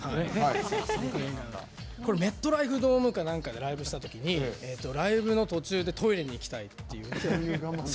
メットライフドームかなんかでライブしたときにライブの途中でトイレに行きたいっていう。